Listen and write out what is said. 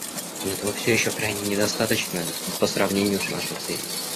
Но этого все еще крайне недостаточно по сравнению с нашей целью.